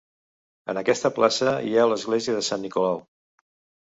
En aquesta plaça hi ha l'església de Sant Nicolau.